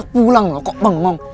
udah pulang lho kok bangun